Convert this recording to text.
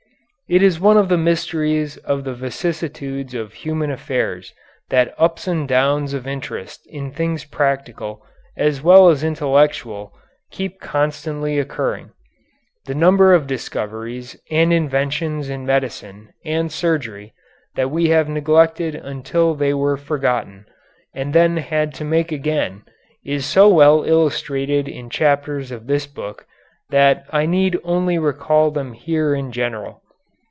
It is one of the mysteries of the vicissitudes of human affairs that ups and downs of interest in things practical as well as intellectual keep constantly occurring. The number of discoveries and inventions in medicine and surgery that we have neglected until they were forgotten, and then had to make again, is so well illustrated in chapters of this book, that I need only recall them here in general.